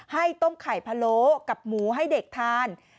ให้ต้มไข่พะโล้กับหมูให้เด็กทาน